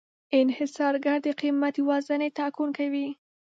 انحصارګر د قیمت یوازینی ټاکونکی وي.